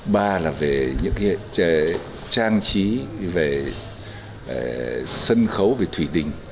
ba là về những cái trang trí về sân khấu về thủy đình